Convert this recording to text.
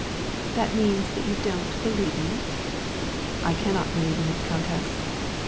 "Oh, then you don't believe in it?" "I can't believe in it, countess."